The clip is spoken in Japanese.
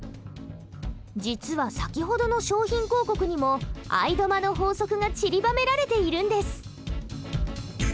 実は先ほどの商品広告にもＡＩＤＭＡの法則がちりばめられているんです。